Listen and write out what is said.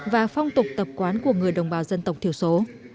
và phong tục tập quán của người đồng bào dân tộc thiểu số